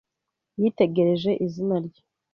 Yitegereje izina rye.